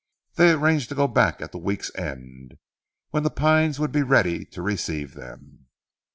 They arranged to go back at the week's end, when "The Pines" would be ready to receive them.